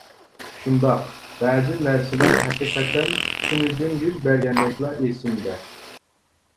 شۇنداق، بەزى نەرسىلەر ھەقىقەتەن تۈنۈگۈن يۈز بەرگەندەكلا ئېسىمدە.